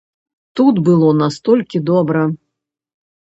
Тут было настолькі добра!